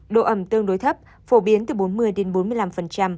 độ ẩm tương đối thấp phổ biến từ bốn mươi đến bốn mươi năm